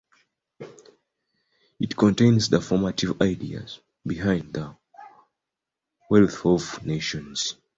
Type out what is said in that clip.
It contains the formative ideas behind the "The Wealth of Nations".